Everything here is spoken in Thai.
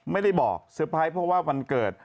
ไม่ได้บอกเซอร์ไพรส์เพราะว่าวันเกิด